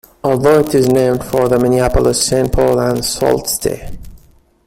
Although it is named for the Minneapolis, Saint Paul and Sault Ste.